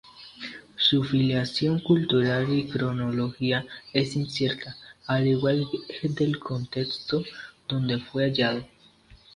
Su filiación cultural y cronología es incierta, al igual del contexto donde fue hallado.